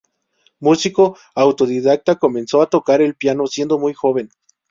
Músico autodidacta, comenzó a tocar el piano siendo muy joven.